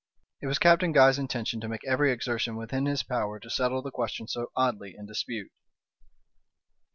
It was Captain Guy's intention to make every exertion within his power to settle the question so oddly in dispute.